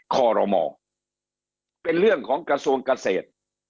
คอรมอเป็นเรื่องของกระทรวงเกษตร